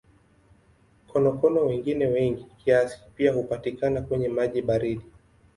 Konokono wengine wengi kiasi pia hupatikana kwenye maji baridi.